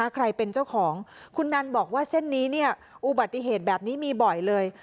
ใครเป็นเจ้าของคุณนันบอกว่าเส้นนี้อุบัติเหตุแบบนี้มีบ่อยเลย